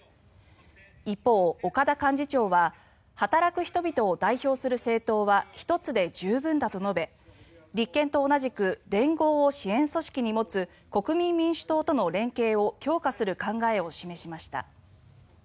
一方、岡田幹事長は働く人々を代表する政党は１つで十分だと述べ立憲と同じく連合を支援組織に持つ国民民主党との連携を強化する考えを示しました。